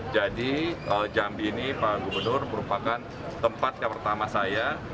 jadi jambi ini pak gubernur merupakan tempat yang pertama saya